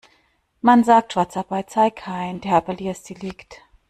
Man sagt, Schwarzarbeit sei kein Kavaliersdelikt.